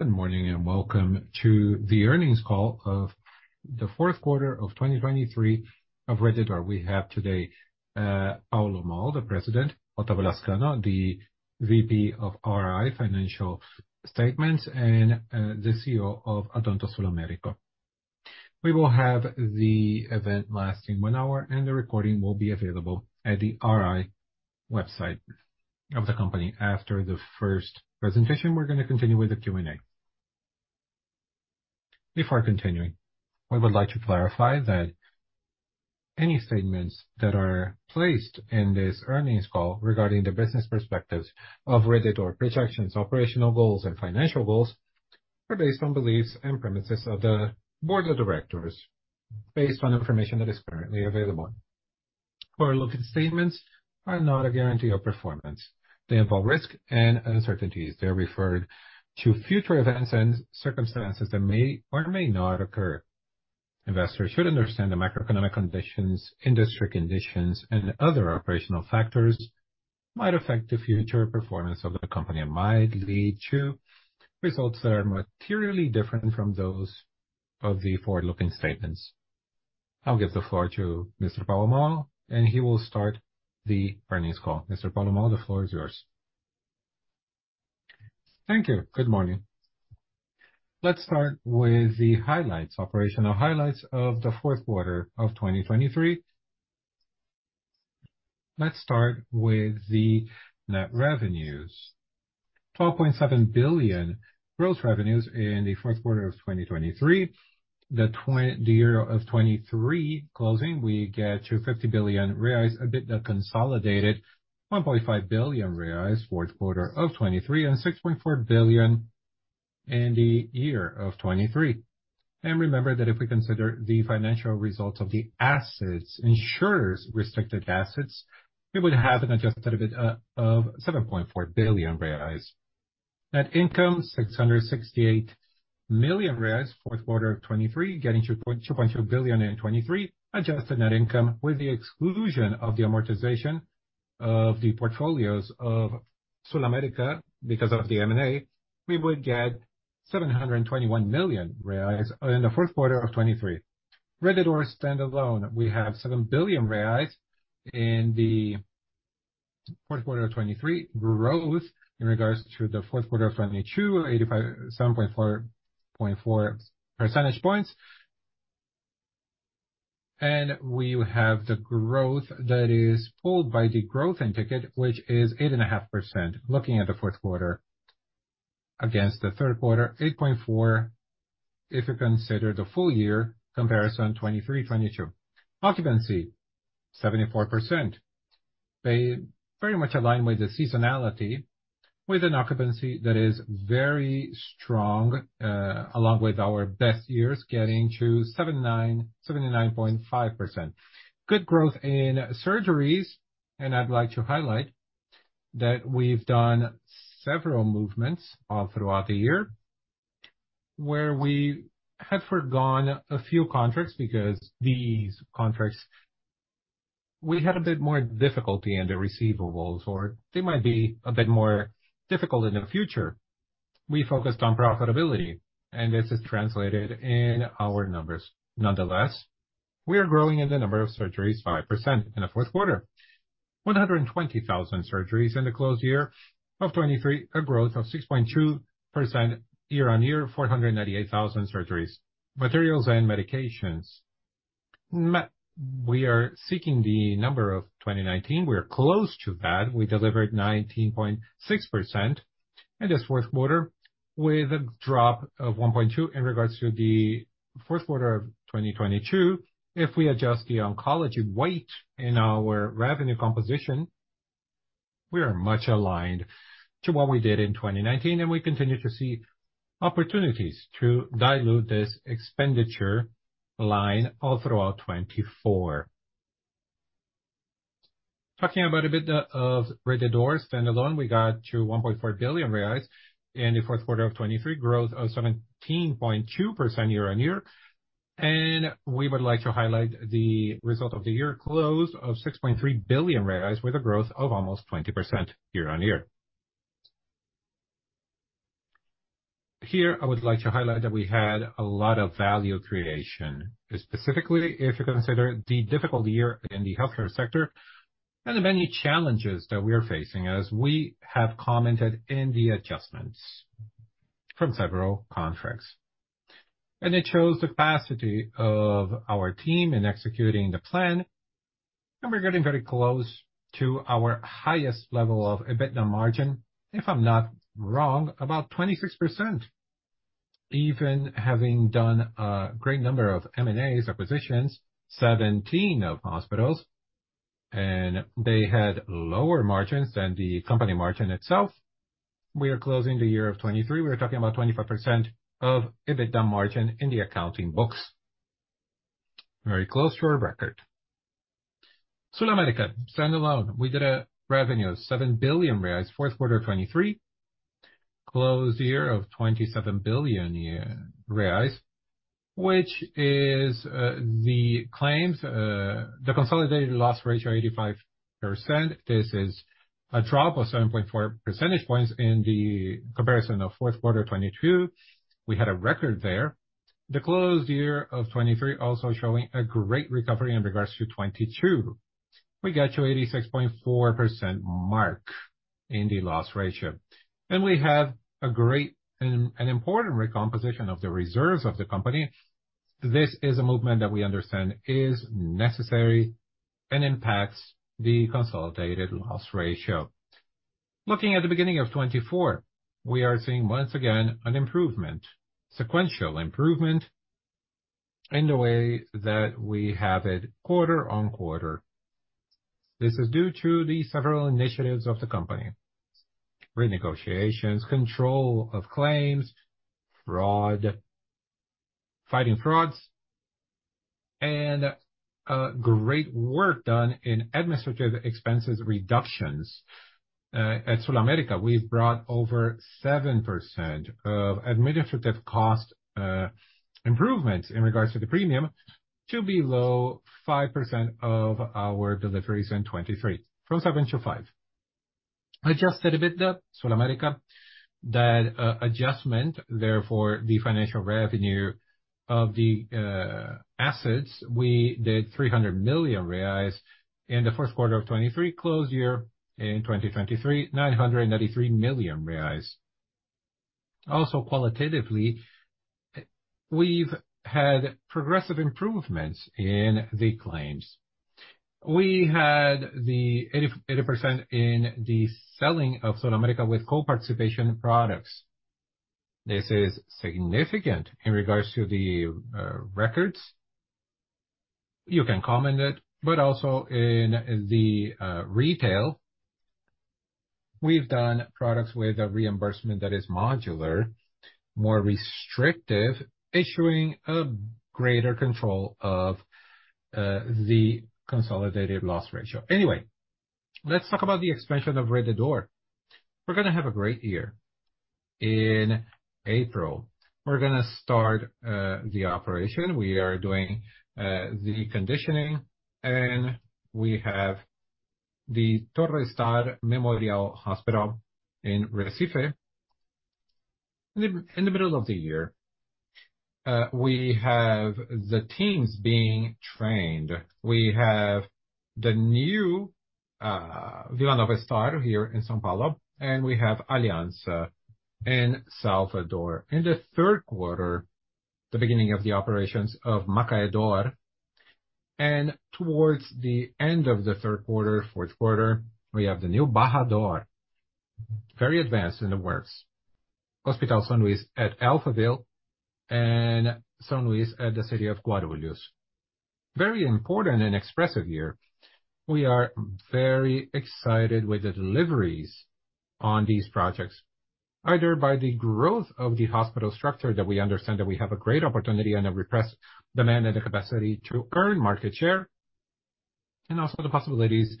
Good morning and welcome to the Earnings Call of the Fourth Quarter of 2023 of Rede D'Or. We have today Paulo Moll, the President; Otávio Lazcano, the VP of IR Financial Statements; and the CEO of Health and Dental SulAmérica. We will have the event lasting 1 hour, and the recording will be available at the IR website of the company after the first presentation. We're going to continue with the Q&A. Before continuing, we would like to clarify that any statements that are placed in this earnings call regarding the business perspectives of Rede D'Or projections, operational goals, and financial goals are based on beliefs and premises of the board of directors, based on information that is currently available. Forward-looking statements are not a guarantee of performance. They involve risk and uncertainties. They're referred to future events and circumstances that may or may not occur. Investors should understand the macroeconomic conditions, industry conditions, and other operational factors that might affect the future performance of the company and might lead to results that are materially different from those of the forward-looking statements. I'll give the floor to Mr. Paulo Moll, and he will start the earnings call. Mr. Paulo Moll, the floor is yours. Thank you. Good morning. Let's start with the highlights, operational highlights of the fourth quarter of 2023. Let's start with the net revenues. 12.7 billion gross revenues in the fourth quarter of 2023. In the year of 2023 closing, we get to 50 billion reais, EBITDA consolidated, 1.5 billion reais fourth quarter of 2023, and 6.4 billion in the year of 2023. And remember that if we consider the financial results of the assets, insurers' restricted assets, we would have an adjusted EBITDA of 7.4 billion reais. Net income, 668 million reais in the fourth quarter of 2023, getting to 2.2 billion in 2023. Adjusted net income, with the exclusion of the amortization of the portfolios of SulAmérica because of the M&A, we would get 721 million reais in the fourth quarter of 2023. Rede D'Or standalone, we have 7 billion reais in the fourth quarter of 2023. Growth in regards to the fourth quarter of 2022, 8.5, 7.4, 4.4 percentage points. And we have the growth that is pulled by the growth in ticket, which is 8.5% looking at the fourth quarter against the third quarter, 8.4 if you consider the full year comparison 2023-2022. Occupancy, 74%. They very much align with the seasonality, with an occupancy that is very strong, along with our best years, getting to 79, 79.5%. Good growth in surgeries, and I'd like to highlight that we've done several movements all throughout the year where we had forgone a few contracts because these contracts we had a bit more difficulty in the receivables, or they might be a bit more difficult in the future. We focused on profitability, and this is translated in our numbers. Nonetheless, we are growing in the number of surgeries 5% in the fourth quarter. 120,000 surgeries in the closed year of 2023, a growth of 6.2% year-over-year, 498,000 surgeries. Materials and medications. We are seeking the number of 2019. We are close to that. We delivered 19.6% in this fourth quarter, with a drop of 1.2% in regards to the fourth quarter of 2022. If we adjust the oncology weight in our revenue composition, we are much aligned to what we did in 2019, and we continue to see opportunities to dilute this expenditure line all throughout 2024. Talking a bit about Rede D'Or standalone, we got to 1.4 billion reais in the fourth quarter of 2023, growth of 17.2% year-on-year. We would like to highlight the result of 2023 of 6.3 billion reais, with a growth of almost 20% year-on-year. Here, I would like to highlight that we had a lot of value creation, specifically if you consider the difficult year in the healthcare sector and the many challenges that we are facing, as we have commented in the adjustments from several contracts. And it shows the capacity of our team in executing the plan, and we're getting very close to our highest level of a we got to 86.4% mark in the loss ratio. We have a great and an important recomposition of the reserves of the company. This is a movement that we understand is necessary and impacts the consolidated loss ratio. Looking at the beginning of 2024, we are seeing, once again, an improvement, sequential improvement, in the way that we have it quarter-over-quarter. This is due to the several initiatives of the company: renegotiations, control of claims, fraud, fighting frauds, and, great work done in administrative expenses reductions. At SulAmérica, we've brought over 7% of administrative cost, improvements in regards to the premium to below 5% of our deliveries in 2023, from 7%-5%. Adjusted EBITDA SulAmérica. That, adjustment, therefore, the financial revenue of the, assets, we did 300 million reais in the fourth quarter of 2023, closed year in 2023, 993 million reais. Also, qualitatively, we've had progressive improvements in the claims. We had the 80% in the selling of SulAmérica with co-participation products. This is significant in regards to the records. You can comment it, but also in the retail. We've done products with a reimbursement that is modular, more restrictive, exercising a greater control of the consolidated loss ratio. Anyway, let's talk about the expansion of Rede D'Or. We're going to have a great year in April. We're going to start the operation. We are doing the conditioning, and we have the Hospital Memorial Star in Recife in the middle of the year. We have the teams being trained. We have the new Vila Nova Star here in São Paulo, and we have Aliança in Salvador. In the third quarter, the beginning of the operations of Macaé D'Or, and towards the end of the third quarter, fourth quarter, we have the new Brasília D'Or, very advanced in the works. Hospital São Luiz at Alphaville, and São Luiz at the city of Guarulhos. Very important and expressive year. We are very excited with the deliveries on these projects, either by the growth of the hospital structure that we understand that we have a great opportunity and a repressed demand and a capacity to earn market share, and also the possibilities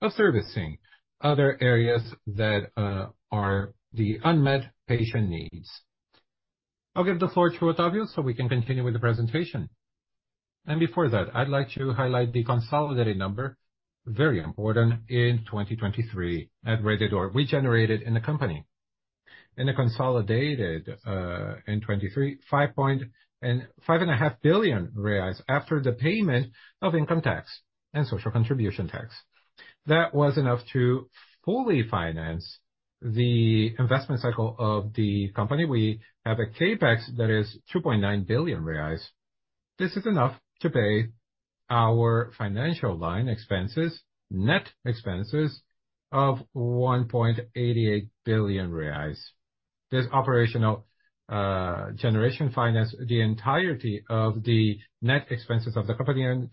of servicing other areas that are the unmet patient needs. I'll give the floor to Otávio so we can continue with the presentation. Before that, I'd like to highlight the consolidated number, very important, in 2023 at Rede D'Or. We generated in the company. It consolidated, in 2023, 5.5 billion reais after the payment of income tax and social contribution tax. That was enough to fully finance the investment cycle of the company. We have a CapEx that is 2.9 billion reais. This is enough to pay our financial line expenses, net expenses, of 1.88 billion reais. This operational generation financed the entirety of the net expenses of the company, and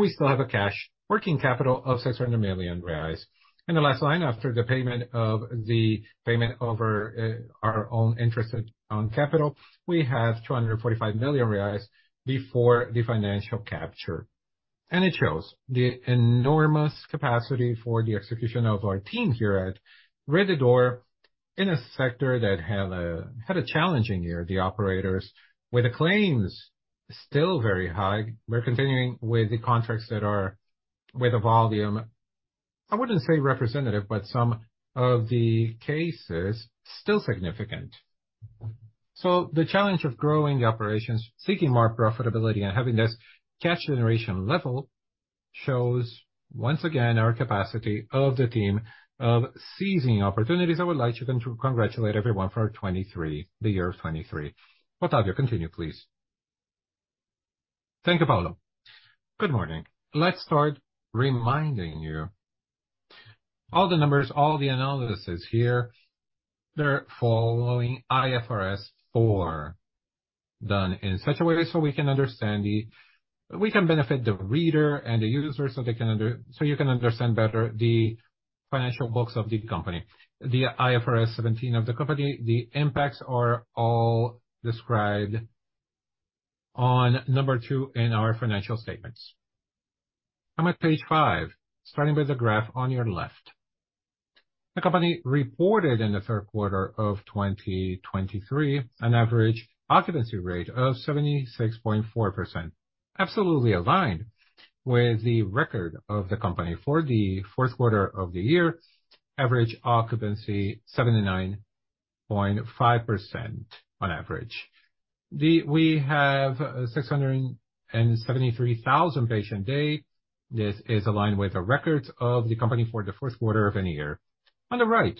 we still have a cash working capital of 600 million reais. In the last line, after the payment of the payment over our own interest on capital, we have 245 million reais before the financial capture. And it shows the enormous capacity for the execution of our team here at Rede D'Or in a sector that had a challenging year, the operators, with the claims still very high. We're continuing with the contracts that are with a volume, I wouldn't say representative, but some of the cases, still significant. So, the challenge of growing the operations, seeking more profitability, and having this cash generation level shows, once again, our capacity of the team of seizing opportunities. I would like to congratulate everyone for 2023, the year of 2023. Otávio, continue, please. Thank you, Paulo. Good morning. Let's start reminding you. All the numbers, all the analysis here, they're following in accordance with IFRS 4, so we can understand the we can benefit the reader and the user so they can under so you can understand better the financial books of the company. The IFRS 17 of the company, the impacts are all described on number two in our financial statements. I'm at page 5, starting with the graph on your left. The company reported in the third quarter of 2023 an average occupancy rate of 76.4%, absolutely aligned with the record of the company for the fourth quarter of the year, average occupancy 79.5% on average. Then we have 673,000 patients a day. This is aligned with the records of the company for the fourth quarter of any year. On the right,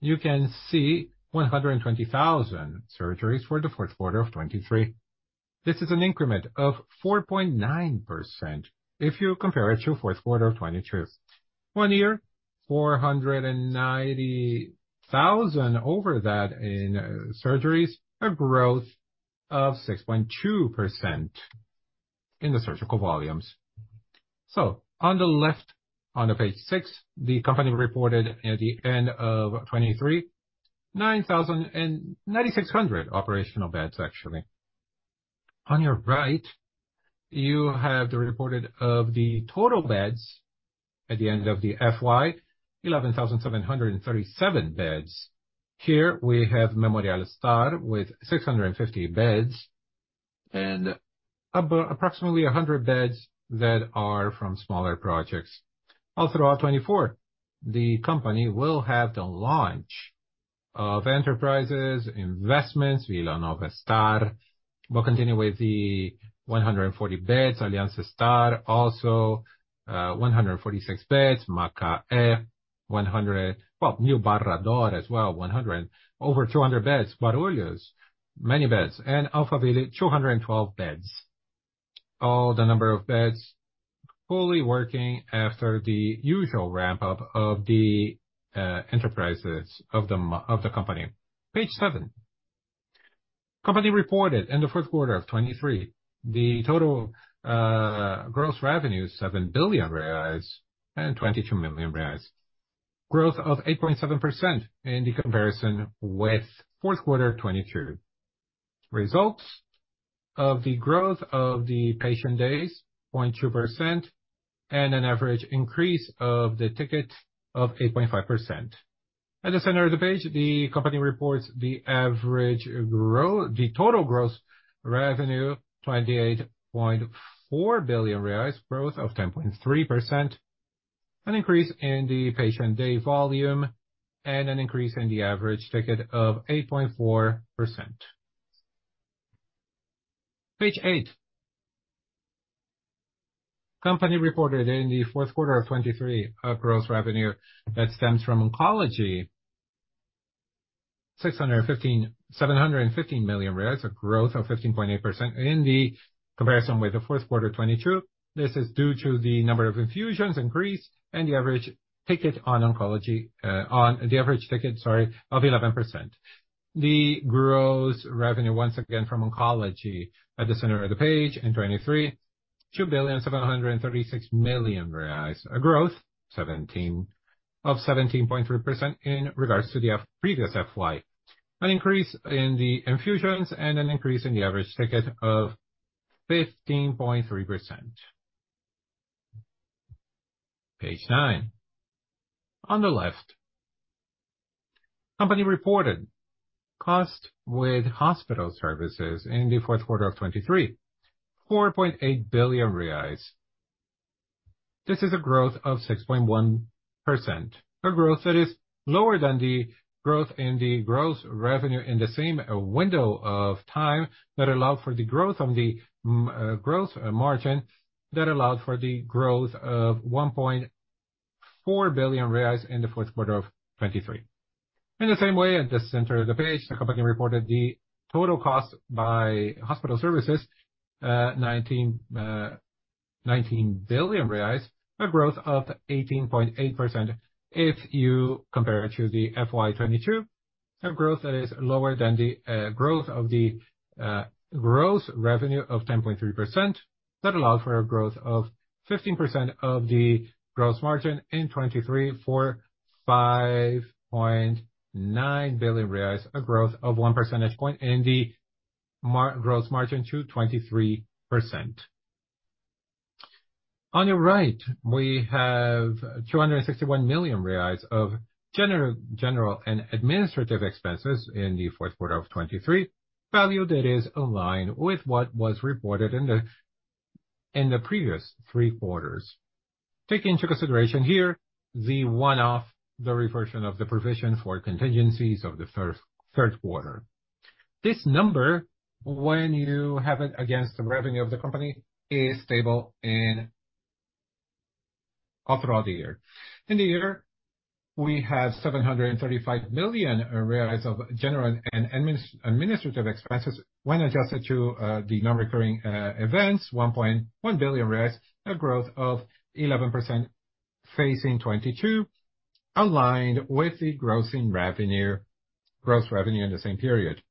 you can see 120,000 surgeries for the fourth quarter of 2023. This is an increment of 4.9% if you compare it to fourth quarter of 2022. One year, 490,000 over that in surgeries, a growth of 6.2% in the surgical volumes. So, on the left, on page six, the company reported at the end of 2023 9,096 operational beds, actually. On your right, you have the reported of the total beds at the end of the FY, 11,737 beds. Here, we have Memorial Star with 650 beds and approximately 100 beds that are from smaller projects. All throughout 2024, the company will have the launch of enterprises, investments, Vila Nova Star. We'll continue with the 140 beds, Aliança Star also, 146 beds, Macaé, 100, well, New Barra D'Or as well, over 200 beds, Guarulhos, many beds, and Alphaville, 212 beds. All the number of beds fully working after the usual ramp-up of the enterprises of the company. Page 7. Company reported in the fourth quarter of 2023 the total, gross revenue, 7 billion reais and 22 million reais. Growth of 8.7% in the comparison with fourth quarter 2022. Results of the growth of the patient days, 0.2%, and an average increase of the ticket of 8.5%. At the center of the page, the company reports the average growth, the total gross revenue, 28.4 billion reais, growth of 10.3%, an increase in the patient day volume, and an increase in the average ticket of 8.4%. Page eight. The company reported in the fourth quarter of 2023 a gross revenue that stems from oncology, 615.715 million, a growth of 15.8% in the comparison with the fourth quarter 2022. This is due to the number of infusions increased and the average ticket on oncology, on the average ticket, sorry, of 11%. The gross revenue, once again, from oncology at the center of the page in 2023, 2,736 million reais, a growth of 17.3% in regards to the previous FY, an increase in the infusions, and an increase in the average ticket of 15.3%. Page nine. On the left. Company reported cost with hospital services in the fourth quarter of 2023, 4.8 billion reais. This is a growth of 6.1%, a growth that is lower than the growth in the gross revenue in the same window of time that allowed for the growth of the, growth margin that allowed for the growth of 1.4 billion reais in the fourth quarter of 2023. In the same way, at the center of the page, the company reported the total cost by hospital services, 19 billion reais, a growth of 18.8% if you compare it to the FY 2022, a growth that is lower than the, growth of the, gross revenue of 10.3% that allowed for a growth of 15% of the gross margin in 2023 for 5.9 billion reais, a growth of one percentage point in the gross margin to 23%. On your right, we have 261 million reais of general and administrative expenses in the fourth quarter of 2023, value that is aligned with what was reported in the previous three quarters. Taking into consideration here the one-off, the reversion of the provision for contingencies of the third quarter. This number, when you have it against the revenue of the company, is stable all throughout the year. In the year, we have 735 million of general and administrative expenses when adjusted to the non-recurring events, 1.1 billion, a growth of 11% facing 2022, aligned with the gross revenue in the same period.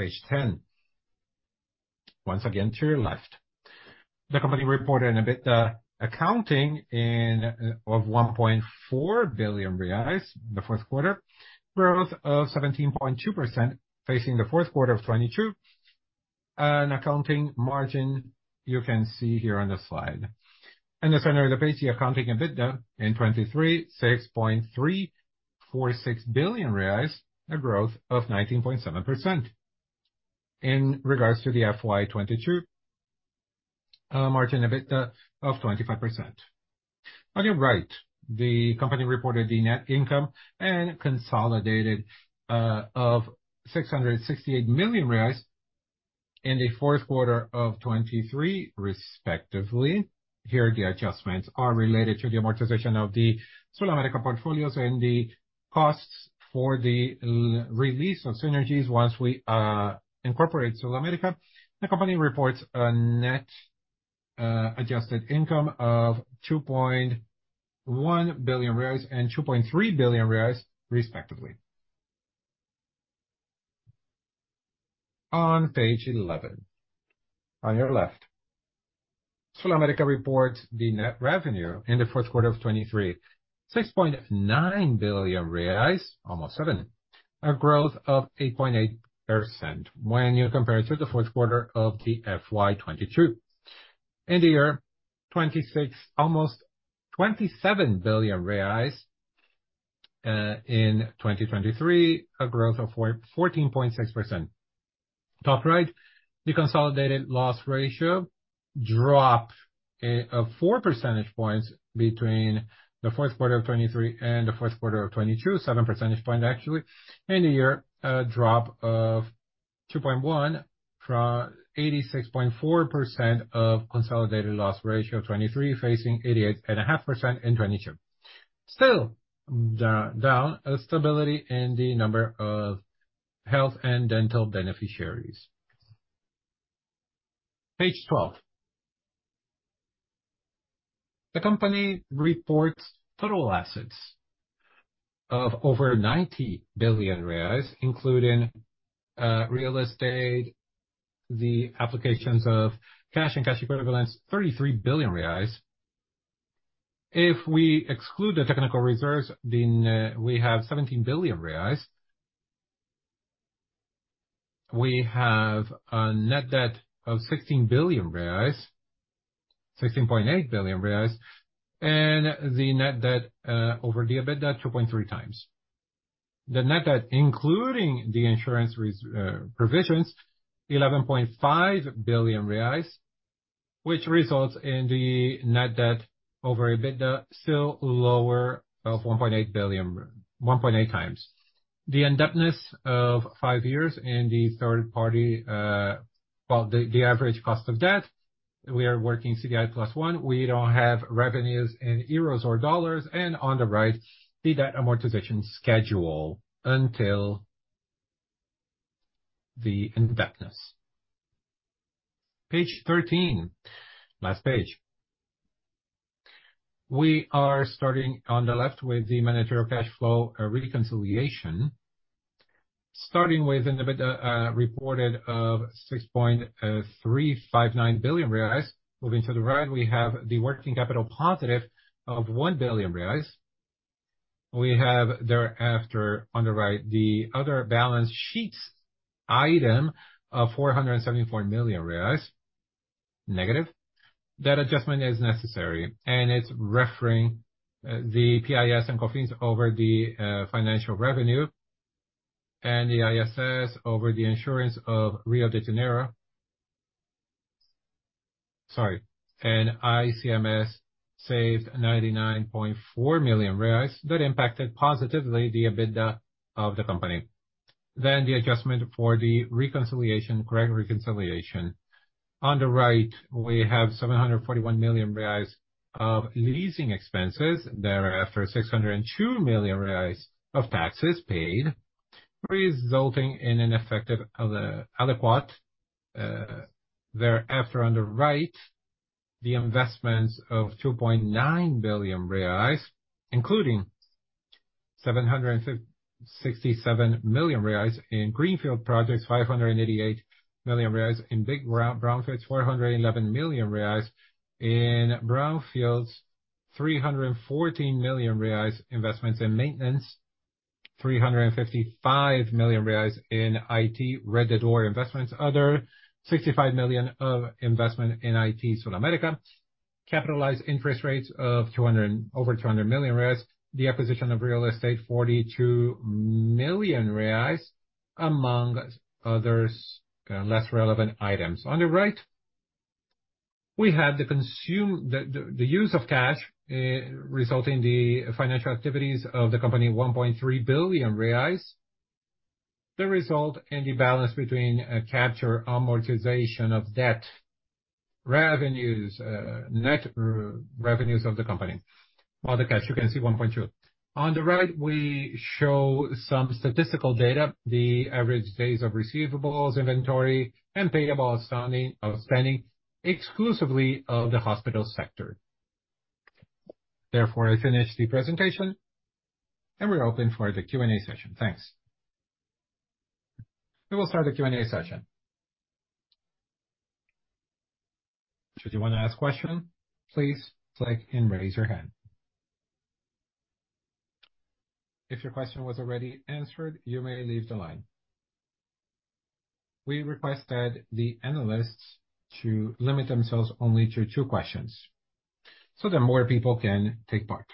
Page ten. Once again, to your left. The company reported EBITDA the accounting in of 1.4 billion reais in the fourth quarter, growth of 17.2% facing the fourth quarter of 2022, an accounting margin you can see here on the slide. In the center of the page, the accounting EBITDA in 2023, 6.346 billion reais, a growth of 19.7% in regards to the FY 2022, a margin EBITDA of 25%. On your right, the company reported the net income and consolidated, of 668 million reais in the fourth quarter of 2023, respectively. Here, the adjustments are related to the amortization of the SulAmérica portfolios and the costs for the release of synergies once we incorporate SulAmérica. The company reports a net adjusted income of 2.1 billion and 2.3 billion, respectively. On page eleven. On your left. SulAmérica reports the net revenue in the fourth quarter of 2023, 6.9 billion reais, almost 7, a growth of 8.8% when you compare it to the fourth quarter of FY 2022. In the year, 26, almost BRL 27 billion, in 2023, a growth of 14.6%. Top right, the consolidated loss ratio drop of four percentage points between the fourth quarter of 2023 and the fourth quarter of 2022, seven percentage points, actually, in the year, a drop of 2.1% from 86.4% of consolidated loss ratio 2023 facing 88.5% in 2022. Still down, a stability in the number of health and dental beneficiaries. Page 12. The company reports total assets of over 90 billion reais, including real estate, the applications of cash and cash equivalents, 33 billion reais. If we exclude the technical reserves, then we have 17 billion reais. We have a net debt of 16 billion reais, 16.8 billion reais, and the net debt over the EBITDA 2.3x. The net debt, including the insurance provisions, 11.5 billion reais, which results in the net debt over EBITDA still lower of 1.8 billion, 1.8x. The indebtedness of 5 years in the third party, well, the average cost of debt, we are working CDI +1. We don't have revenues in euros or dollars. On the right, the debt amortization schedule until the indebtedness. Page 13. Last page. We are starting on the left with the monetary cash flow reconciliation, starting with an EBITDA reported of 6.359 billion reais. Moving to the right, we have the working capital positive of 1 billion reais. We have thereafter, on the right, the other balance sheets item of 474 million reais, negative. That adjustment is necessary, and it's referring to the PIS and COFINS over the financial revenue and the ISS over the insurance of Rio de Janeiro, sorry, and ICMS saved 99.4 million reais that impacted positively the EBITDA of the company. Then, the adjustment for the reconciliation, correct reconciliation. On the right, we have 741 million reais of leasing expenses. Thereafter, 602 million reais of taxes paid, resulting in an effective adequate. Thereafter, on the right, the investments of 2.9 billion reais, including 767 million reais in greenfield projects, 588 million reais in big brownfields, 411 million reais in brownfields, 314 million reais investments in maintenance, 355 million reais in IT Rede D'Or investments, other 65 million of investment in IT SulAmérica, capitalized interest rates of 200 over 200 million reais, the acquisition of real estate, 42 million reais, among other less relevant items. On the right, we have the consumption, the use of cash, resulting in the financial activities of the company, 1.3 billion reais. The result in the balance between capture amortization of debt revenues, net revenues of the company, while the cash, you can see 1.2 billion. On the right, we show some statistical data, the average days of receivables, inventory, and payables outstanding exclusively of the hospital sector. Therefore, I finish the presentation, and we're open for the Q&A session. Thanks. We will start the Q&A session. Should you want to ask a question, please click and raise your hand. If your question was already answered, you may leave the line. We request that the analysts to limit themselves only to two questions so that more people can take part.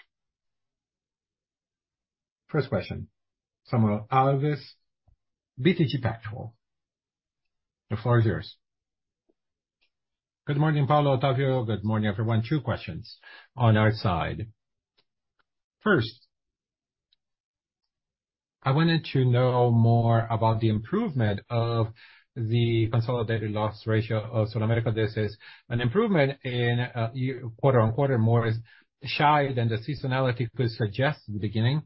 First question. Samuel Alves, BTG Pactual. The floor is yours. Good morning, Paulo, Otávio. Good morning, everyone. Two questions on our side. First, I wanted to know more about the improvement of the consolidated loss ratio of SulAmérica. This is an improvement, quarter-on-quarter, more shy than the seasonality could suggest in the beginning.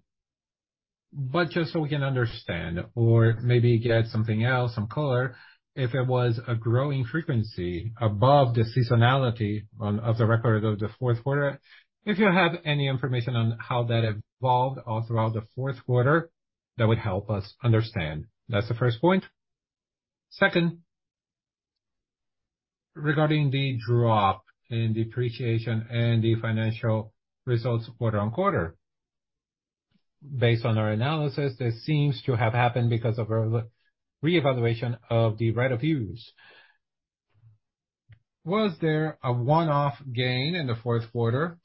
But just so we can understand, or maybe get something else, some color, if it was a growing frequency above the seasonality on the record of the fourth quarter, if you have any information on how that evolved all throughout the fourth quarter, that would help us understand. That's the first point. Second, regarding the drop in depreciation and the financial results quarter-on-quarter, based on our analysis, this seems to have happened because of a reevaluation of the right of use. Was there a one-off gain in the fourth quarter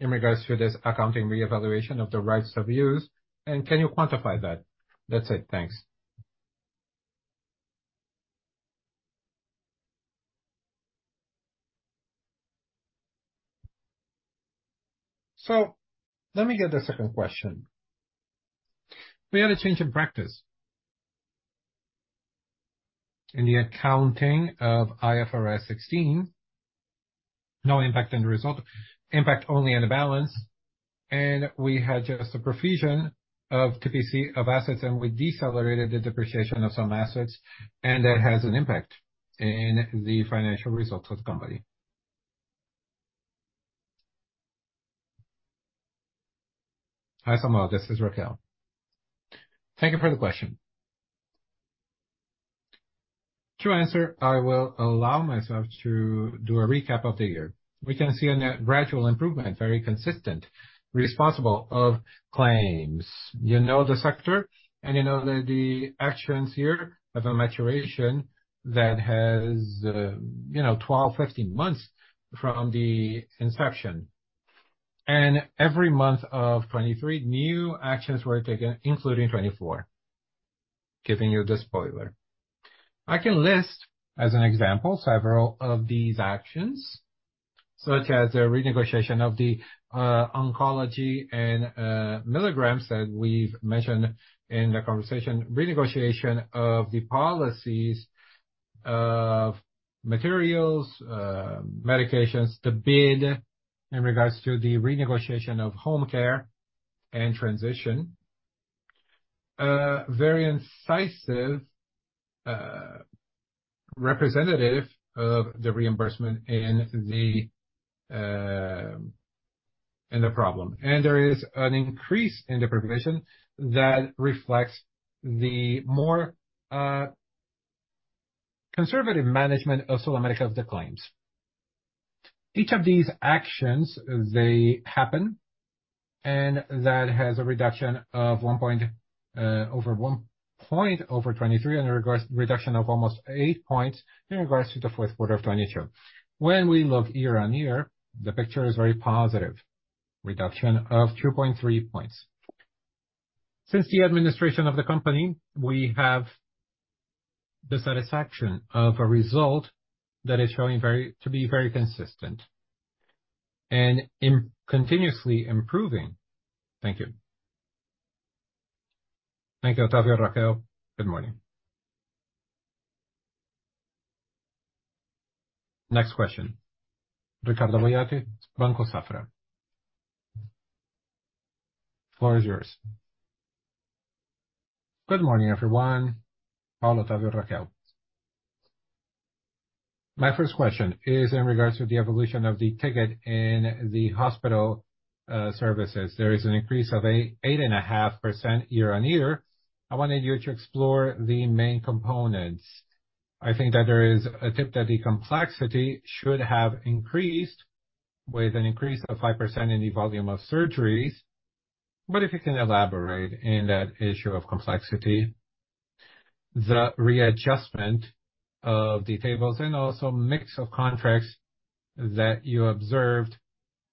in regards to this accounting reevaluation of the rights of use? And can you quantify that? That's it. Thanks. So, let me get the second question. We had a change in practice in the accounting of IFRS 16, no impact in the result, impact only in the balance. And we had just a provision of CPC of assets, and we decelerated the depreciation of some assets, and that has an impact in the financial results of the company. Hi, Samuel. This is Raquel. Thank you for the question. To answer, I will allow myself to do a recap of the year. We can see a gradual improvement, very consistent, responsible of claims. You know the sector, and you know that the actions here have a maturation that has, you know, 12-15 months from the inception. And every month of 2023, new actions were taken, including 2024, giving you this spoiler. I can list, as an example, several of these actions, such as the renegotiation of the oncology and medications that we've mentioned in the conversation, renegotiation of the policies of materials, medications, the bid in regards to the renegotiation of home care and transition, very incisive, representative of the reimbursement in the problem. There is an increase in the provision that reflects the more conservative management of SulAmérica of the claims. Each of these actions, they happen, and that has a reduction of 1 point, over 1 point over 2023, and a reduction of almost 8 points in regards to the fourth quarter of 2022. When we look year-on-year, the picture is very positive, reduction of 2.3 points. Since the administration of the company, we have the satisfaction of a result that is showing very to be very consistent and continuously improving. Thank you. Thank you, Otávio and Raquel. Good morning. Next question. Ricardo Boiati, Banco Safra. The floor is yours. Good morning, everyone. Paulo, Otávio, and Raquel. My first question is in regards to the evolution of the ticket in the hospital services. There is an increase of 8.5% year-on-year. I wanted you to explore the main components. I think that there is a tip that the complexity should have increased with an increase of 5% in the volume of surgeries. But if you can elaborate in that issue of complexity, the readjustment of the tables and also mix of contracts that you observed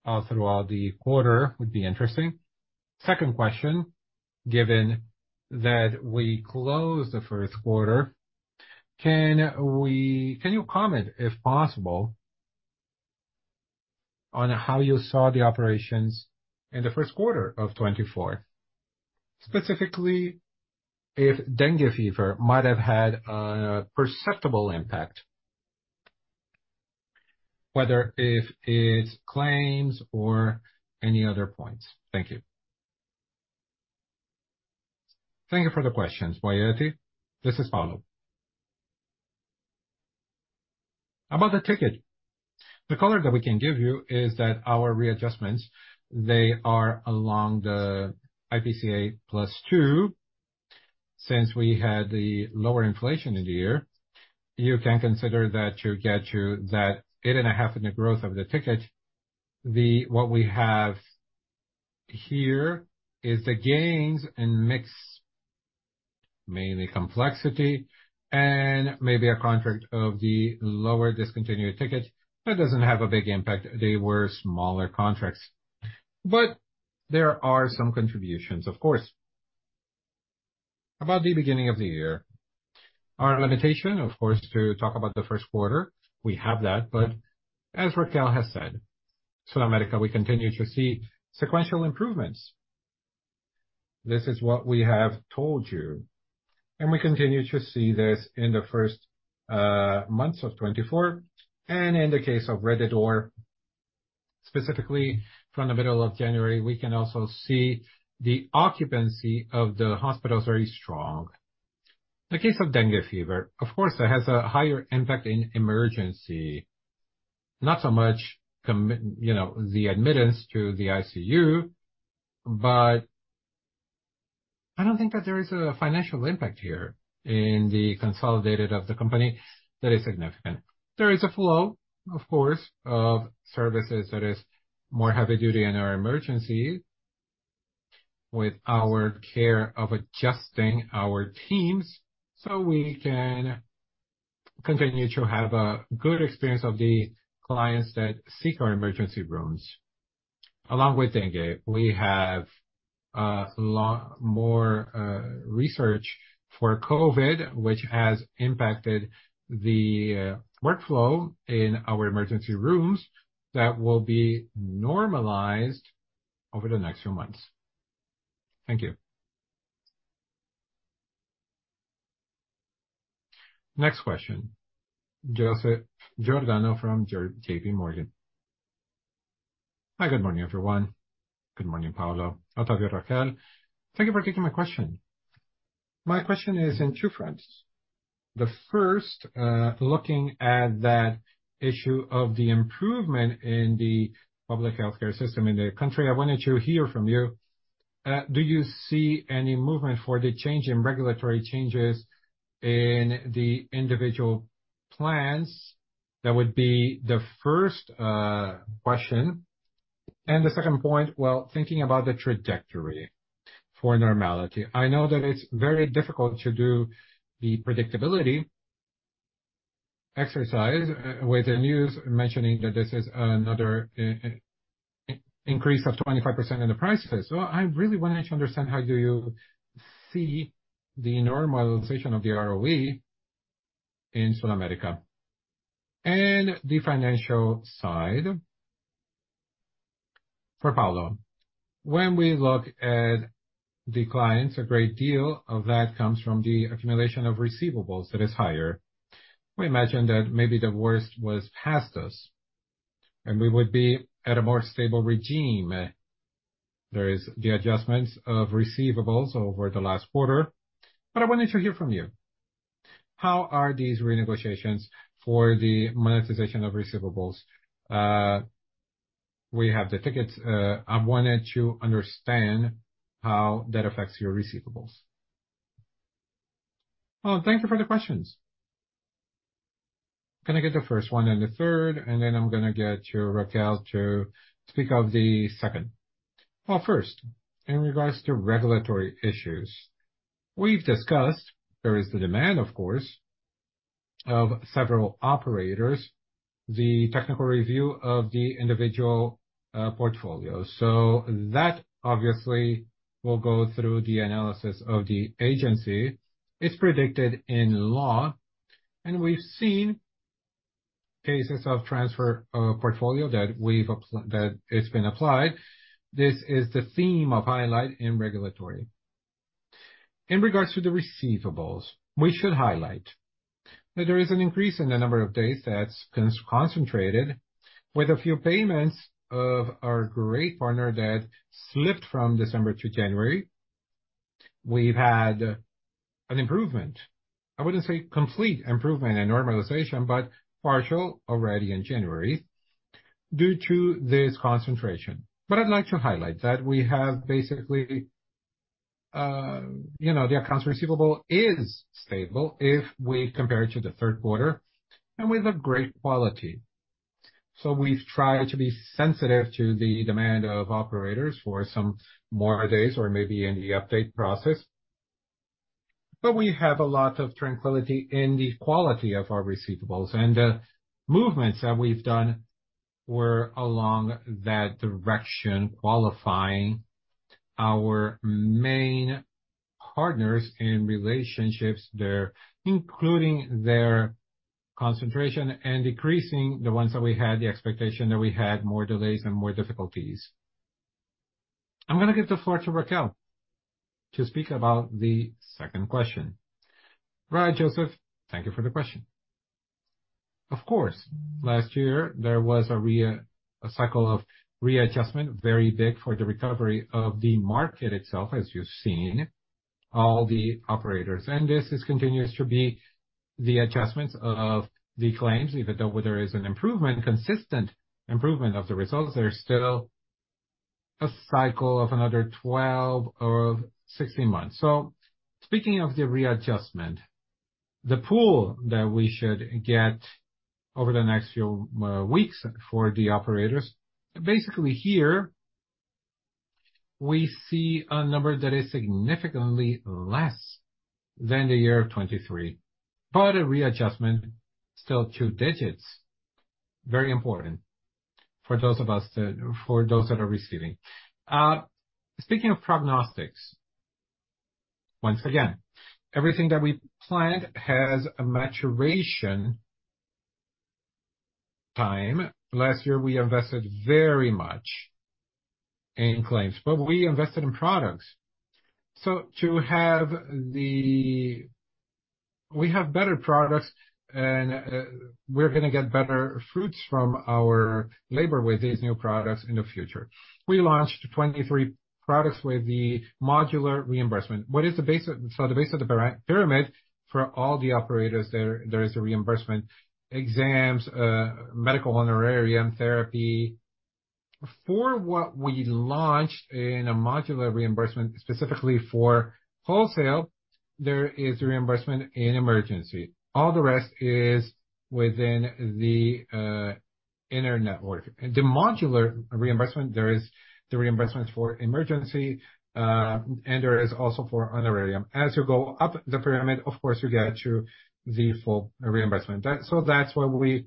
all throughout the quarter would be interesting. Second question. Given that we closed the first quarter, can you comment, if possible, on how you saw the operations in the first quarter of 2024, specifically if dengue fever might have had a perceptible impact, whether it's claims or any other points? Thank you. Thank you for the questions, Boiati. This is Paulo. About the ticket. The color that we can give you is that our readjustments, they are along the IPCA plus two. Since we had the lower inflation in the year, you can consider that to get to that 8.5% in the growth of the ticket, what we have here is the gains and mix, mainly complexity, and maybe a contract of the lower discontinued ticket that doesn't have a big impact. They were smaller contracts. But there are some contributions, of course. About theat the beginning of 2024. Our limitation, of course, to talk about the first quarter. We have that. But as Raquel has said, SulAmérica, we continue to see sequential improvements. This is what we have told you. And we continue to see this in the first months of 2024. And in the case of Rede D'Or, specifically from the middle of January, we can also see the occupancy of the hospital is very strong. The case of dengue fever, of course, it has a higher impact in emergency, not so much, you know, the admittance to the ICU. But I don't think that there is a financial impact here in the consolidated of the company that is significant. There is a flow, of course, of services that is more heavy-duty in our emergencies, with our care of adjusting our teams so we can continue to have a good experience of the clients that seek our emergency rooms. Along with dengue, we have, long more, research for COVID, which has impacted the, workflow in our emergency rooms that will be normalized over the next few months. Thank you. Next question. Joseph Giordano from J.P. Morgan. Hi. Good morning, everyone. Good morning, Paulo, Otávio, Raquel. Thank you for taking my question. My question is in two fronts. The first, looking at that issue of the improvement in the public healthcare system in the country, I wanted to hear from you. Do you see any movement for the change in regulatory changes in the individual plans? That would be the first, question. The second point, well, thinking about the trajectory for normality. I know that it's very difficult to do the predictability exercise with the news mentioning that this is another increase of 25% in the prices. So I really wanted to understand, how do you see the normalization of the ROE in SulAmérica? And the financial side. For Paulo. When we look at the clients, a great deal of that comes from the accumulation of receivables that is higher. We imagine that maybe the worst was past us, and we would be at a more stable regime. There are the adjustments of receivables over the last quarter. But I wanted to hear from you. How are these renegotiations for the monetization of receivables? We have the tickets. I wanted to understand how that affects your receivables. Well, thank you for the questions. Can I get the first one and the third? And then I'm going to get to Raquel to speak of the second. Well, first, in regards to regulatory issues, we've discussed there is the demand, of course, of several operators, the technical review of the individual, portfolio. So that, obviously, will go through the analysis of the agency. It's predicted in law. And we've seen cases of transfer, portfolio that we've applied that it's been applied. This is the theme of highlight in regulatory. In regards to the receivables, we should highlight that there is an increase in the number of days that's concentrated, with a few payments of our great partner that slipped from December to January. We've had an improvement. I wouldn't say complete improvement and normalization, but partial already in January due to this concentration. But I'd like to highlight that we have basically, you know, the accounts receivable is stable if we compare it to the third quarter, and with a great quality. So we've tried to be sensitive to the demand of operators for some more days, or maybe in the update process. But we have a lot of tranquility in the quality of our receivables. And the movements that we've done were along that direction, qualifying our main partners in relationships, including their concentration, and decreasing the ones that we had the expectation that we had more delays and more difficulties. I'm going to give the floor to Raquel to speak about the second question. Right, Joseph, thank you for the question. Of course. Last year, there was a readjustment cycle, very big for the recovery of the market itself, as you've seen, all the operators. This continues to be the adjustments of the claims. Even though there is an improvement, consistent improvement of the results, there's still a cycle of another 12 or 16 months. So speaking of the readjustment, the pool that we should get over the next few weeks for the operators, basically here, we see a number that is significantly less than the year of 2023. But a readjustment, still two digits, very important for those of us that for those that are receiving. Speaking of prognostics. Once again, everything that we planned has a maturation time. Last year, we invested very much in claims, but we invested in products. So to have the we have better products, and we're going to get better fruits from our labor with these new products in the future. We launched 23 products with the modular reimbursement. What is the base? So the base of the pyramid for all the operators there? There is a reimbursement, exams, medical honorarium, therapy. For what we launched in a modular reimbursement, specifically for wholesale, there is a reimbursement in emergency. All the rest is within the inner network. The modular reimbursement, there is the reimbursements for emergency, and there is also for honorarium. As you go up the pyramid, of course, you get to the full reimbursement. That, so that's why we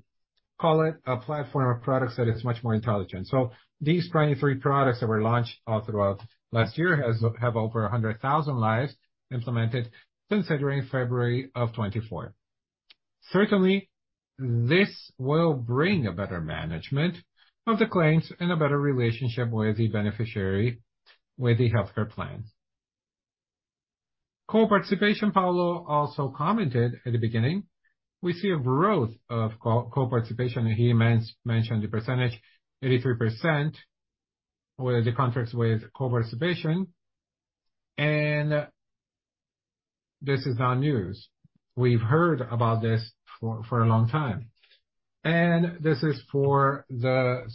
call it a platform of products that is much more intelligent. So these 23 products that were launched all throughout last year have over 100,000 lives implemented, considering February of 2024. Certainly, this will bring a better management of the claims and a better relationship with the beneficiary with the healthcare plan. Co-participation, Paulo also commented at the beginning. We see a growth of co-participation. He mentioned the percentage, 83%, with the contracts with co-participation. This is not news. We've heard about this for a long time. This is for the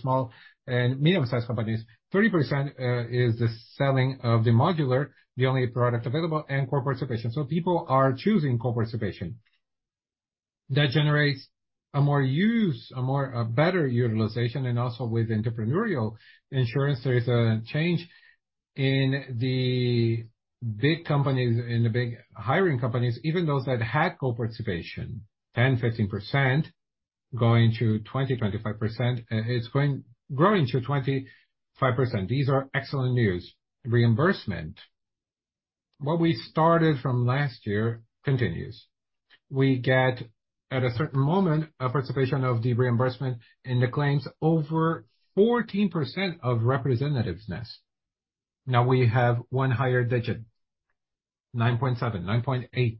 small and medium-sized companies. 30% is the selling of the modular, the only product available, and co-participation. So people are choosing co-participation. That generates a more, a better utilization. Also with entrepreneurial insurance, there is a change in the big companies, in the big hiring companies, even those that had co-participation, 10%, 15%, going to 20%, 25%. It's growing to 25%. These are excellent news. Reimbursement. What we started from last year continues. We get, at a certain moment, a participation of the reimbursement in the claims over 14% of representativeness. Now we have one higher digit, 9.7%, 9.8%.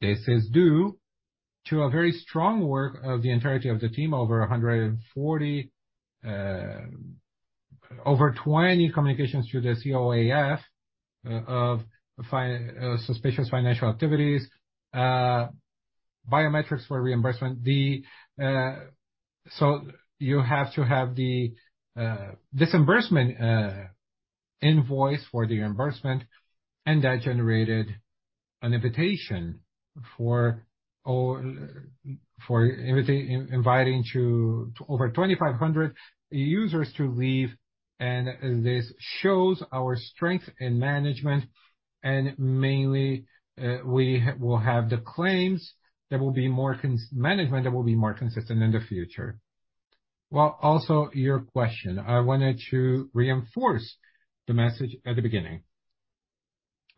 This is due to a very strong work of the entirety of the team, over 140, over 20 communications through the COAF, of suspicious financial activities, biometrics for reimbursement. So you have to have the disbursement invoice for the reimbursement. And that generated an invitation for all for inviting to over 2,500 users to leave. And this shows our strength in management. And mainly, we will have the claims that will be more management that will be more consistent in the future. Well, also, your question. I wanted to reinforce the message at the beginning.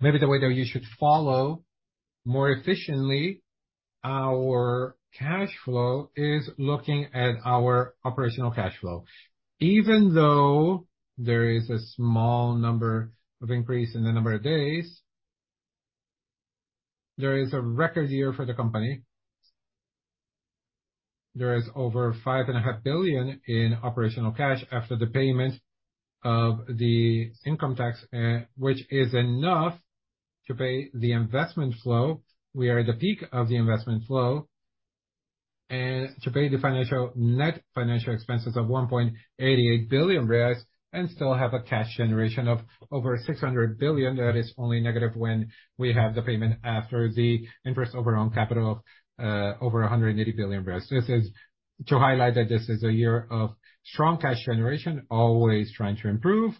Maybe the way that you should follow more efficiently our cash flow is looking at our operational cash flow. Even though there is a small number of increase in the number of days, there is a record year for the company. There is over 5.5 billion in operational cash after the payment of the income tax, which is enough to pay the investment flow. We are at the peak of the investment flow and to pay the financial net financial expenses of 1.88 billion reais and still have a cash generation of over $600 billion. That is only negative when we have the payment after the interest over own capital of over 180 billion. This is to highlight that this is a year of strong cash generation, always trying to improve.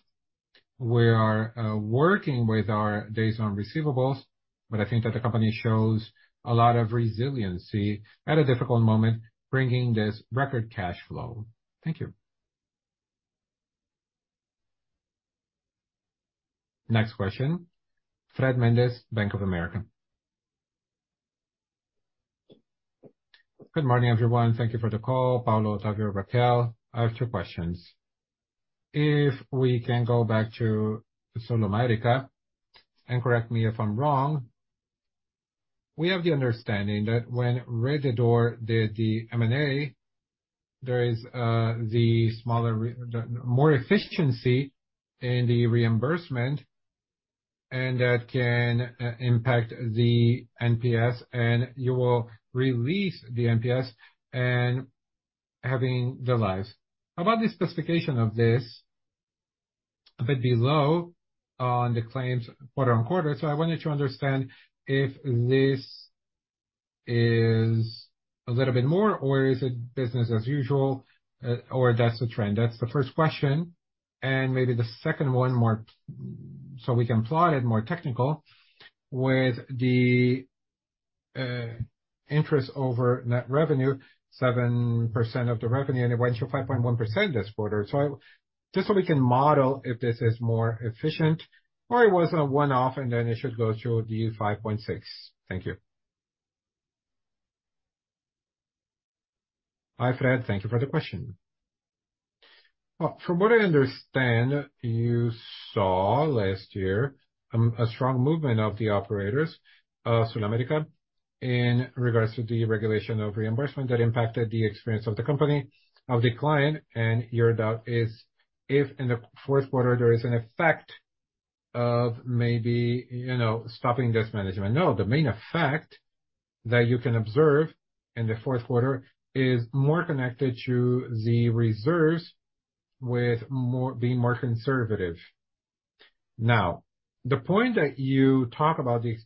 We are working with our days on receivables. But I think that the company shows a lot of resiliency at a difficult moment, bringing this record cash flow. Thank you. Next question. Fred Mendes, Bank of America. Good morning, everyone. Thank you for the call, Paulo, Otávio, Raquel. I have two questions. If we can go back to SulAmérica, and correct me if I'm wrong, we have the understanding that when Rede D'Or did the M&A, there is the smaller the more efficiency in the reimbursement, and that can impact the NPS. And you will release the NPS and having the lives. How about the specification of this a bit below on the claims quarter-on-quarter? So I wanted to understand if this is a little bit more, or is it business as usual, or that's the trend. That's the first question. And maybe the second one, more so we can plot it, more technical, with the interest over net revenue, 7% of the revenue, and it went to 5.1% this quarter. So I just so we can model if this is more efficient, or it was a one-off, and then it should go to the 5.6%. Thank you. Hi, Fred. Thank you for the question. Well, from what I understand, you saw last year a strong movement of the operators, SulAmérica, in regards to the regulation of reimbursement that impacted the experience of the company, of the client. Your doubt is, if in the fourth quarter there is an effect of maybe, you know, stopping this management. No, the main effect that you can observe in the fourth quarter is more connected to the reserves with more being more conservative. Now, the point that you talk about the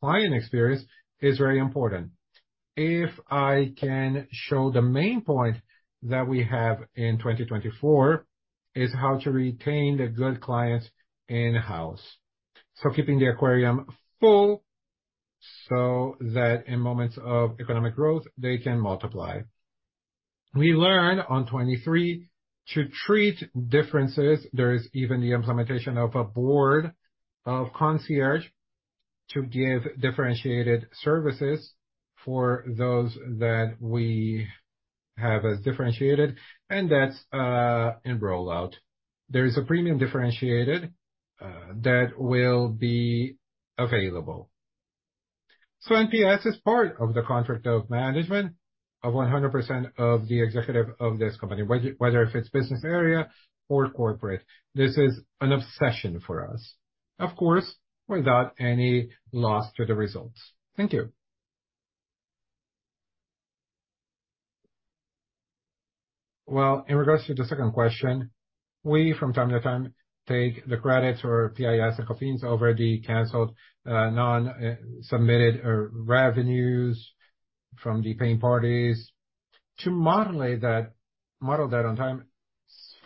client experience is very important. If I can show the main point that we have in 2024 is how to retain the good clients in-house. Keeping the aquarium full so that in moments of economic growth, they can multiply. We learned on 2023 to treat differences. There is even the implementation of a board of concierge to give differentiated services for those that we have as differentiated. That's in rollout. There is a premium differentiated that will be available. So NPS is part of the contract of management of 100% of the executive of this company, whether if it's business area or corporate. This is an obsession for us, of course, without any loss to the results. Thank you. Well, in regards to the second question, we, from time to time, take the credits or PIS and COFINS over the canceled, non-submitted revenues from the paying parties. To model that model that on time,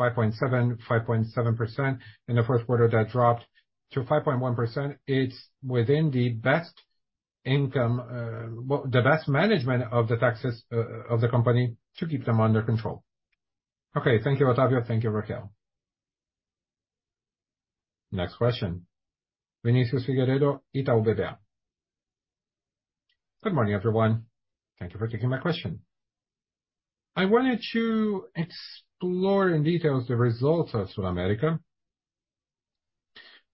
5.7%, 5.7% in the fourth quarter that dropped to 5.1%, it's within the best income well, the best management of the taxes of the company to keep them under control. Okay, thank you, Otávio. Thank you, Raquel. Next question. Vinícius Figueiredo. Good morning, everyone. Thank you for taking my question. I wanted to explore in detail the results of SulAmérica.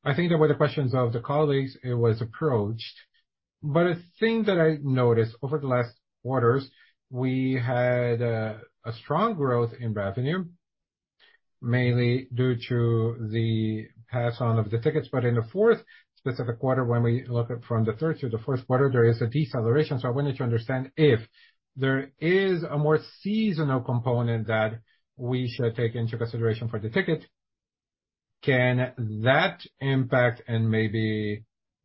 I think that with the questions of the colleagues, it was approached. But a thing that I noticed over the last quarters, we had a strong growth in revenue, mainly due to the pass-on of the tickets. But in the fourth specific quarter, when we look at from the third through the fourth quarter, there is a deceleration. So I wanted to understand if there is a more seasonal component that we should take into consideration for the ticket. Can that impact and maybe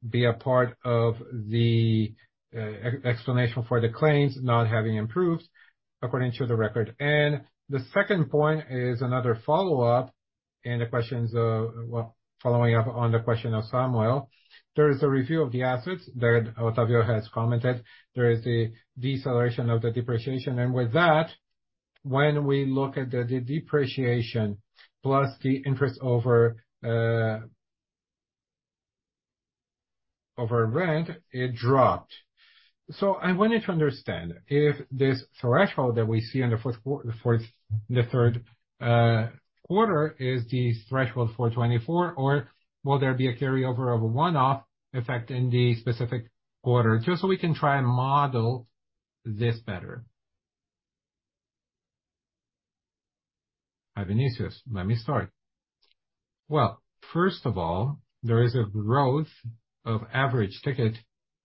be a part of the explanation for the claims not having improved, according to the record? And the second point is another follow-up in the questions of well, following up on the question of Samuel. There is a review of the assets that Otávio has commented. There is the deceleration of the depreciation. And with that, when we look at the depreciation plus the interest over rent, it dropped. So I wanted to understand if this threshold that we see in the third quarter is the threshold for 2024, or will there be a carryover of a one-off effect in the specific quarter, just so we can try and model this better. Hi, Vinícius. Let me start. Well, first of all, there is a growth of average ticket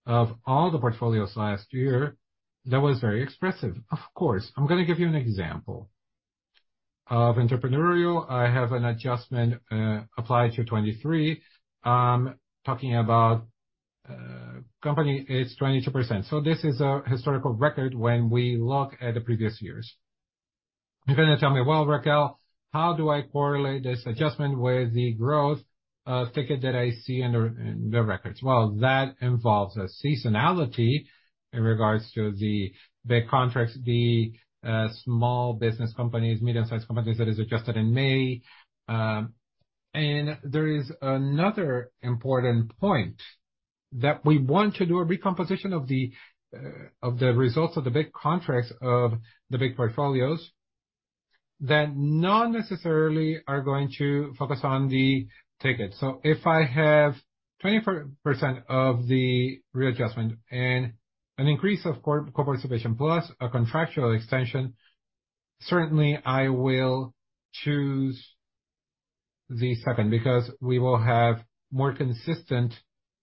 of all the portfolios last year that was very expressive. Of course. I'm going to give you an example of entrepreneurial. I have an adjustment applied to 2023, talking about company. It's 22%. So this is a historical record when we look at the previous years. You're going to tell me, "Well, Raquel, how do I correlate this adjustment with the growth of ticket that I see in the records?" Well, that involves a seasonality in regards to the big contracts, the small business companies, medium-sized companies that is adjusted in May. And there is another important point that we want to do a recomposition of the results of the big contracts of the big portfolios that not necessarily are going to focus on the ticket. So if I have 24% of the readjustment and an increase of co-participation plus a contractual extension, certainly I will choose the second, because we will have more consistent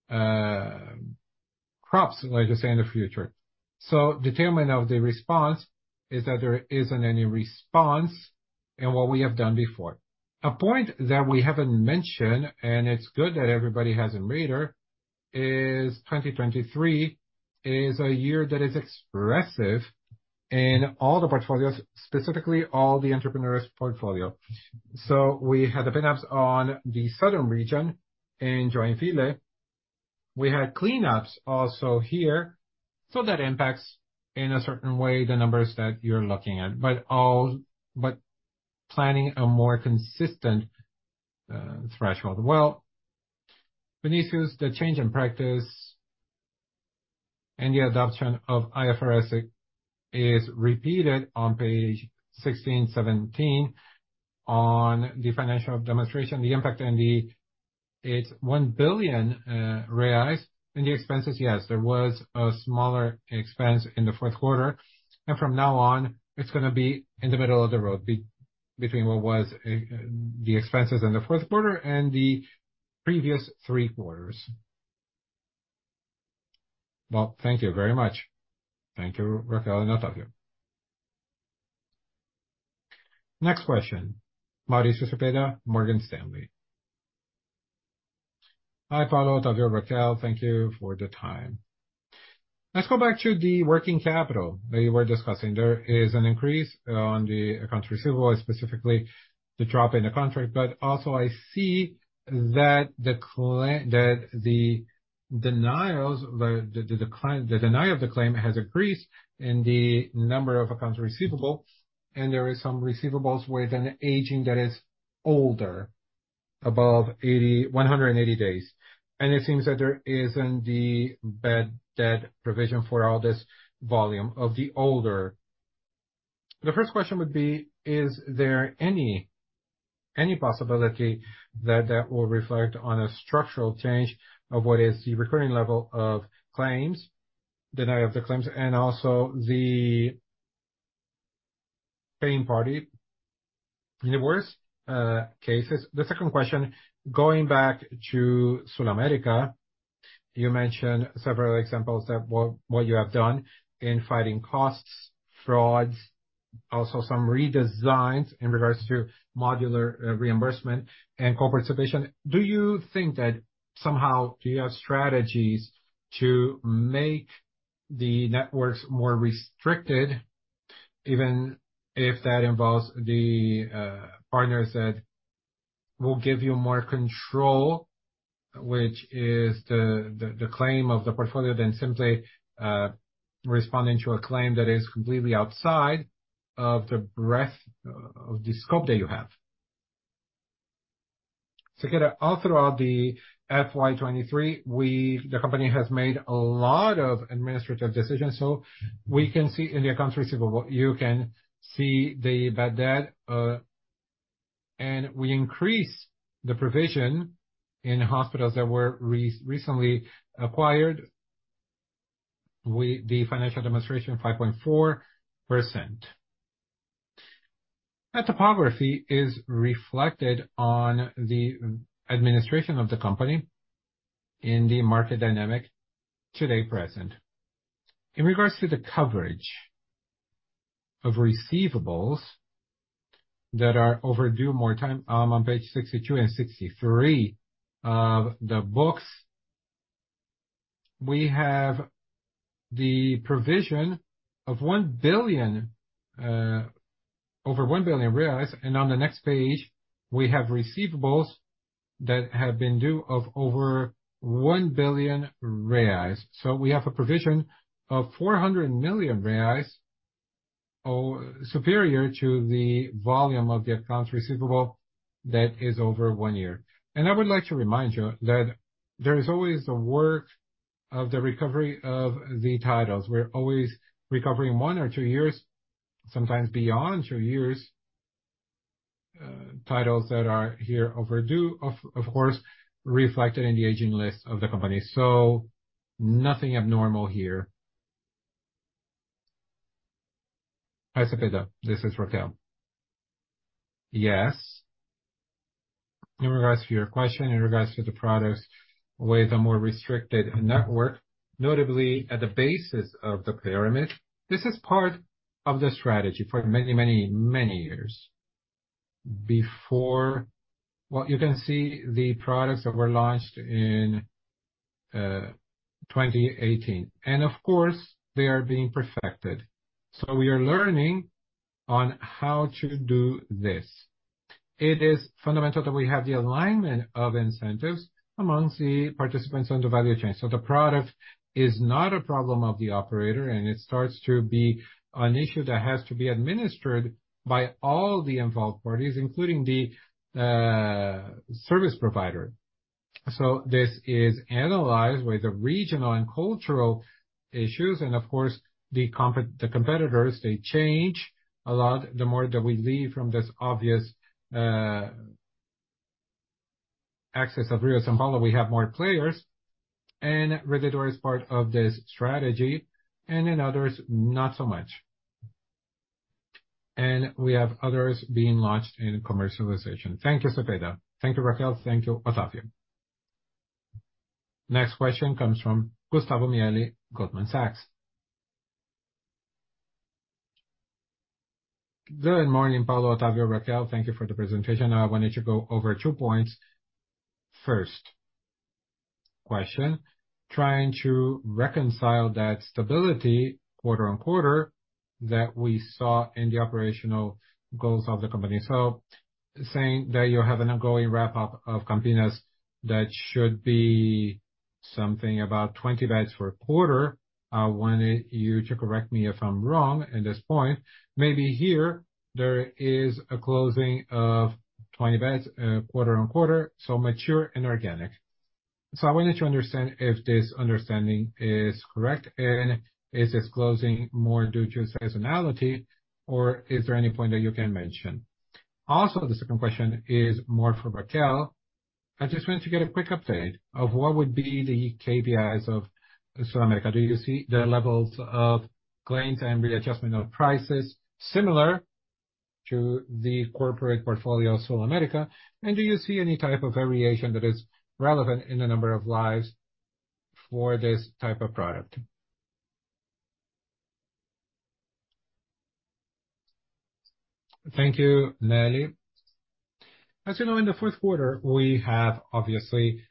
growth, like I say, in the future. So the determinant of the response is that there isn't any response in what we have done before. A point that we haven't mentioned, and it's good that everybody has in mind, is 2023 is a year that is expressive in all the portfolios, specifically all the entrepreneurs' portfolio. So we had the cleanups on the southern region in Joinville. We had cleanups also here. So that impacts, in a certain way, the numbers that you're looking at. But we're planning a more consistent threshold. Well, Vinícius, the change in practice and the following IFRS 17 adoption is repeated on page 16, 17, on the financial statements, the impact in the. It's 1 billion reais. In the expenses, yes, there was a smaller expense in the fourth quarter. And from now on, it's going to be in the middle of the road between what was the expenses in the fourth quarter and the previous three quarters. Well, thank you very much. Thank you, Raquel and Otávio. Next question. Maurício Cepeda, Morgan Stanley. Hi, Paulo, Otávio, Raquel. Thank you for the time. Let's go back to the working capital that you were discussing. There is an increase on the accounts receivable, specifically the drop in the contract. But also, I see that the client that the denials that the of the claim has increased in the number of accounts receivable. And there are some receivables with an aging that is older, above 80-180 days. And it seems that there isn't the bad debt provision for all this volume of the older. The first question would be, is there any possibility that will reflect on a structural change of what is the recurring level of claims, denial of the claims, and also the paying party in the worst cases? The second question, going back to SulAmérica, you mentioned several examples of what you have done in fighting costs, frauds, also some redesigns in regards to modular reimbursement and co-participation. Do you think that somehow you have strategies to make the networks more restricted, even if that involves the partners that will give you more control, which is the claim of the portfolio, than simply responding to a claim that is completely outside of the breadth of the scope that you have? Cepeda, all throughout the FY 2023, we the company has made a lot of administrative decisions. So we can see in the accounts receivable, you can see the bad debt. We increased the provision in hospitals that were recently acquired, the financial demonstration, 5.4%. That trajectory is reflected on the administration of the company in the market dynamic today, present. In regards to the coverage of receivables that are overdue, more time on page 62 and 63 of the books, we have the provision of 1 billion over 1 billion reais. And on the next page, we have receivables that have been due of over 1 billion reais. So we have a provision of 400 million reais superior to the volume of the accounts receivable that is over one year. And I would like to remind you that there is always the work of the recovery of the titles. We're always recovering one or two years, sometimes beyond two years, titles that are here overdue, of course, reflected in the aging list of the company. So nothing abnormal here. Hi, Cepeda. This is Raquel. Yes. In regards to your question, in regards to the products with a more restricted network, notably at the basis of the pyramid, this is part of the strategy for many, many, many years before... Well, you can see the products that were launched in 2018. And, of course, they are being perfected. So we are learning on how to do this. It is fundamental that we have the alignment of incentives amongst the participants on the value chain. So the product is not a problem of the operator, and it starts to be an issue that has to be administered by all the involved parties, including the service provider. So this is analyzed with the regional and cultural issues. And, of course, the competitors, they change a lot the more that we leave from this obvious axis of Rio and São Paulo. We have more players. Rede D'Or is part of this strategy. In others, not so much. We have others being launched in commercialization. Thank you, Cepeda. Thank you, Raquel. Thank you, Otávio. Next question comes from Gustavo Miele, Goldman Sachs. Good morning, Paulo, Otávio, Raquel. Thank you for the presentation. Now, I wanted to go over two points. First question, trying to reconcile that "stability" quarter-on-quarter that we saw in the operational goals of the company. So, saying that you have an ongoing wrap-up of Campinas that should be something about 20 beds per quarter, I wanted you to correct me if I'm wrong in this point. Maybe here there is a closing of 20 beds quarter-on-quarter, so mature and organic. So I wanted to understand if this understanding is correct. Is this closing more due to seasonality, or is there any point that you can mention? Also, the second question is more for Raquel. I just wanted to get a quick update of what would be the KPIs of SulAmérica. Do you see the levels of claims and readjustment of prices similar to the corporate portfolio of SulAmérica? And do you see any type of variation that is relevant in the number of lives for this type of product? Thank you, Miele. As you know, in the fourth quarter, we have, obviously,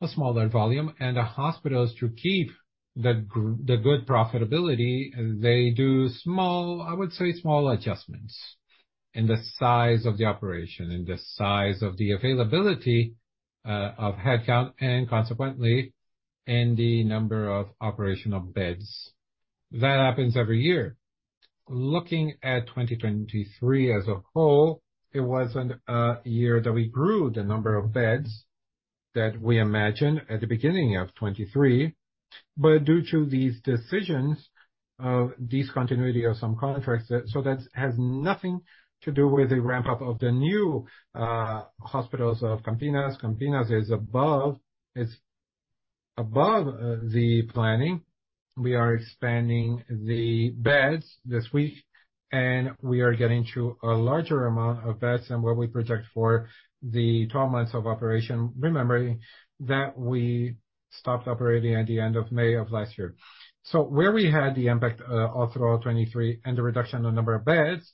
a smaller volume. The hospitals, to keep the good profitability, they do small, I would say, small adjustments in the size of the operation, in the size of the availability of headcount, and consequently, in the number of operational beds. That happens every year. Looking at 2023 as a whole, it wasn't a year that we grew the number of beds that we imagined at the beginning of 2023. But due to these decisions of discontinuity of some contracts. So that has nothing to do with the ramp-up of the new hospitals of Campinas. Campinas is above the planning. We are expanding the beds this week, and we are getting to a larger amount of beds than what we project for the 12 months of operation, remembering that we stopped operating at the end of May of last year. So where we had the impact all throughout 2023 and the reduction in the number of beds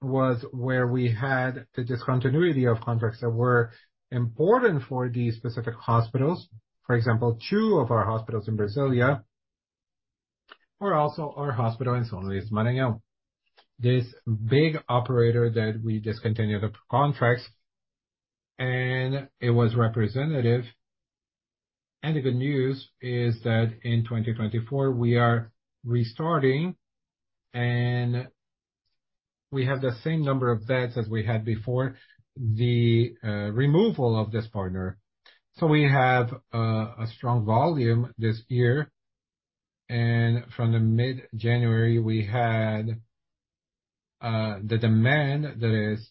was where we had the discontinuity of contracts that were important for these specific hospitals. For example, two of our hospitals in Brasília, or also our hospital in São Luís, Maranhão. This big operator that we discontinued the contracts, and it was representative. The good news is that in 2024, we are restarting, and we have the same number of beds as we had before. The removal of this partner. We have a strong volume this year. From mid-January, we had the demand that is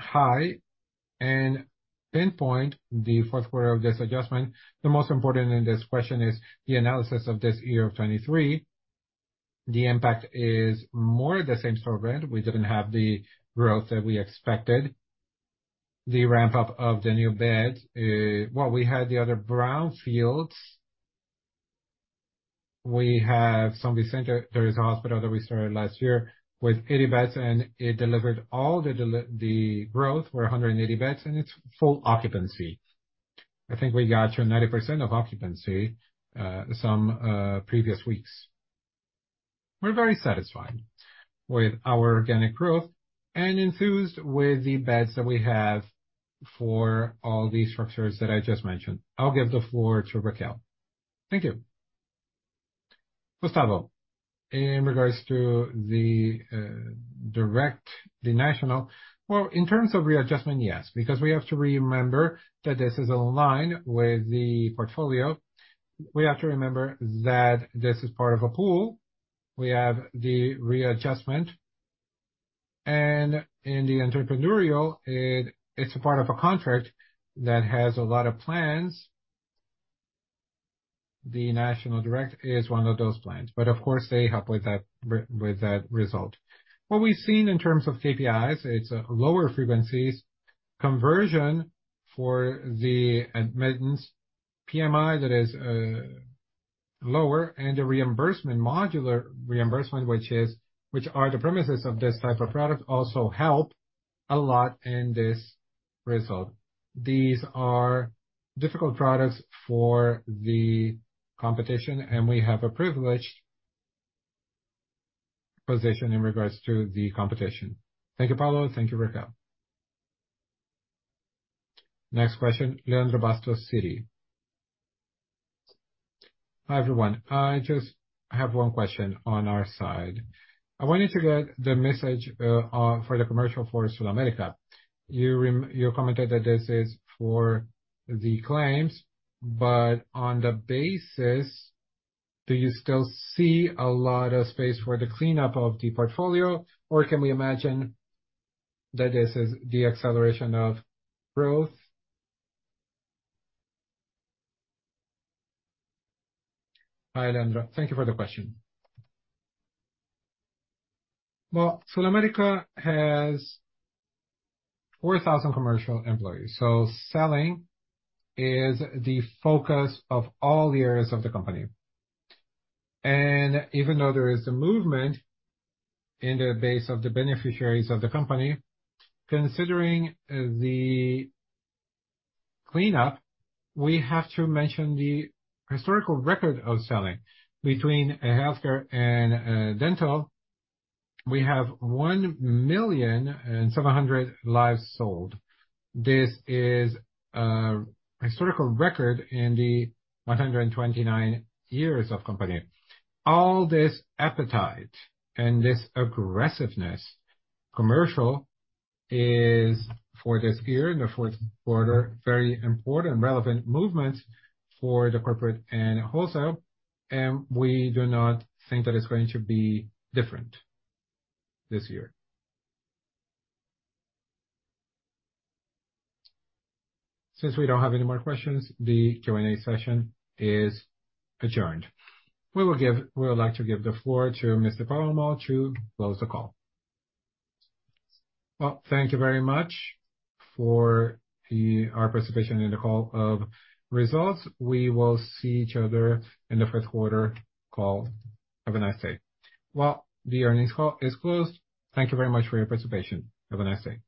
high. Pinpoint the fourth quarter of this adjustment. The most important in this question is the analysis of this year of 2023. The impact is more of the same sort of Rede. We didn't have the growth that we expected. The ramp-up of the new beds. Well, we had the other brown fields. We have São Vicente. There is a hospital that we started last year with 80 beds, and it delivered all the growth, where 180 beds, and it's full occupancy. I think we got to 90% of occupancy some previous weeks. We're very satisfied with our organic growth and enthused with the beds that we have for all these structures that I just mentioned. I'll give the floor to Raquel. Thank you. Gustavo, in regards to the National Direct. Well, in terms of readjustment, yes, because we have to remember that this is aligned with the portfolio. We have to remember that this is part of a pool. We have the readjustment. And in the entrepreneurial, it's a part of a contract that has a lot of plans. The National Direct is one of those plans. But, of course, they help with that with that result. What we've seen in terms of KPIs, it's lower frequencies, conversion for the admittance, TMI that is lower, and the reimbursement, modular reimbursement, which is which are the premises of this type of product, also help a lot in this result. These are difficult products for the competition, and we have a privileged position in regards to the competition. Thank you, Paulo. Thank you, Raquel. Next question, Leandro Bastos, Citi. Hi, everyone. I just have one question on our side. I wanted to get the message for the commercial for SulAmérica. You commented that this is for the claims, but on the basis, do you still see a lot of space for the cleanup of the portfolio, or can we imagine that this is the acceleration of growth? Hi, Leandro. Thank you for the question. Well, SulAmérica has 4,000 commercial employees. Selling is the focus of all the areas of the company. Even though there is the movement in the base of the beneficiaries of the company, considering the cleanup, we have to mention the historical record of selling. Between healthcare and dental, we have 1,700,000 lives sold. This is a historical record in the 129 years of the company. All this appetite and this aggressiveness. Commercial is, for this year, in the fourth quarter, a very important, relevant movement for the corporate and wholesale. We do not think that it's going to be different this year. Since we don't have any more questions, the Q&A session is adjourned. We would like to give the floor to Mr. Paulo Moll to close the call. Well, thank you very much for our participation in the call of results. We will see each other in the fourth quarter call. Have a nice day. Well, the earnings call is closed. Thank you very much for your participation. Have a nice day.